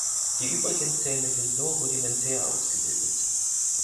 Die übrigen Zähne sind nur rudimentär ausgebildet.